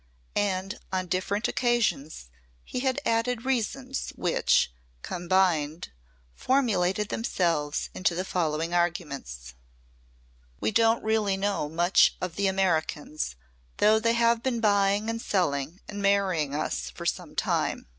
And on different occasions he had added reasons which, combined, formulated themselves into the following arguments. "We don't really know much of the Americans though they have been buying and selling and marrying us for some time.